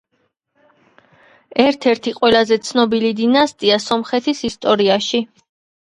ერთ-ერთი ყველაზე ცნობილი დინასტია სომხეთის ისტორიაში.